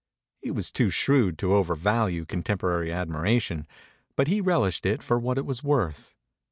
He was too shrewd to overvalue contemporary admiration, but he relished it for what it was worth.